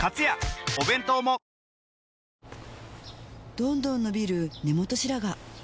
どんどん伸びる根元白髪